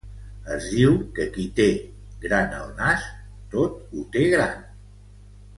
Es diu que qui té gran el nas tot ho té gran.